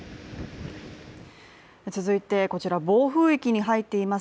続いてこちら、暴風域に入っています